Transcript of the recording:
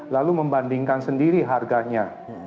lalu membandingkan sendiri harganya